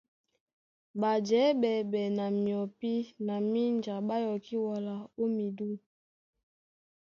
Ɓajɛɛ́ ɓɛɓɛ na myɔpí na mínja ɓá yɔkí wala ó midû.